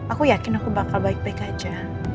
aku yakin aku bakal baik baik aja